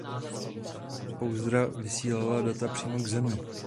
Pouzdra vysílala data přímo k Zemi.